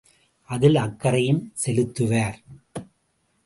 அதில் அக்கறையும் செலுத்துவார்.